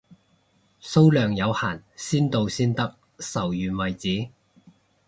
數量有限，先到先得，售完為止，